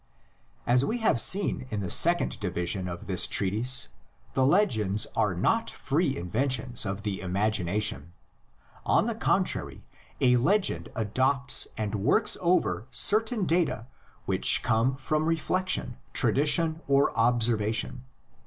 As we have seen in the second division of this treatise, the legends are not free inventions of the imagination. On the contrary, a legend adopts and works over certain data which come from reflexion, tradition or observation.